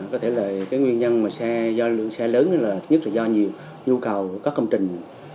có thể là nguyên nhân xe lớn nhất là do nhiều nhu cầu có công trình